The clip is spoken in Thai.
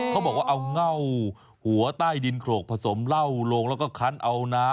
เขาบอกว่าเอาเง่าหัวใต้ดินโขลกผสมเหล้าลงแล้วก็คันเอาน้ำ